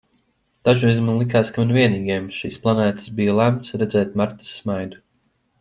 Dažreiz man likās, ka man vienīgajam uz šīs planētas bija lemts redzēt Martas smaidu.